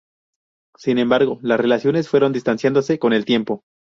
Sin embargo, las relaciones fueron distanciándose con el tiempo.